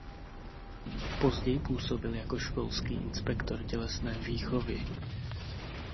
Později působil jako školský inspektor tělesné výchovy.